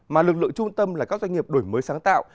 mà lực lượng trung tâm là các doanh nghiệp đổi mới sáng tạo